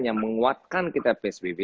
yang menguatkan kita psbb